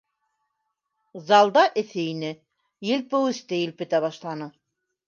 Залда эҫе ине, елпеүесте елпетә башланы.